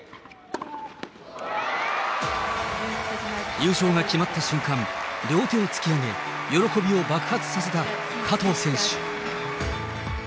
優勝が決まった瞬間、両手を突き上げ、喜びを爆発させた加藤選手。